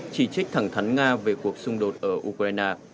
chỉ trích thẳng thắn nga về cuộc xung đột ở ukraine